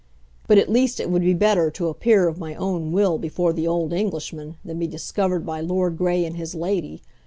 But at least it would be better to appear of my own will before the old Englishman than be discovered by Lord Gray and his Lady.